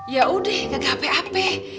ya udah enggak gape ape